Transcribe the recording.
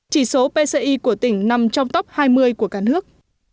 chỉ số pci của tỉnh nằm trong top hai mươi của cả nước